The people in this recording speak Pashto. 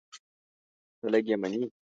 خلک یې مني.